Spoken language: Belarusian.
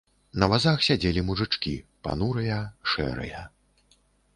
На вазах сядзелі мужычкі, панурыя, шэрыя.